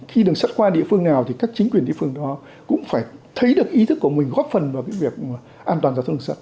khi đường sắt qua địa phương nào thì các chính quyền địa phương đó cũng phải thấy được ý thức của mình góp phần vào cái việc an toàn